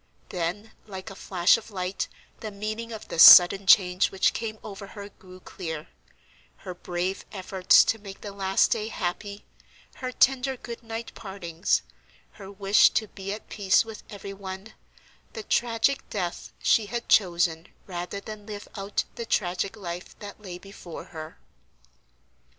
Then, like a flash of light, the meaning of the sudden change which came over her grew clear,—her brave efforts to make the last day happy, her tender good night partings, her wish to be at peace with every one, the tragic death she had chosen rather than live out the tragic life that lay before her.